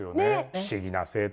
不思議な生態！